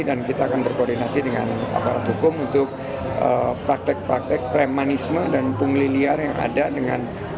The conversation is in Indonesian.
dan kita akan berkoordinasi dengan aparat hukum untuk praktek praktek premanisme dan pungliliar yang ada dengan